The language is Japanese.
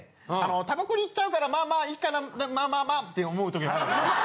タバコに行っちゃうからまあまあいいかなまあまあって思う時ある。